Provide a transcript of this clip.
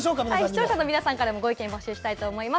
視聴者の方からのご意見募集したいと思います。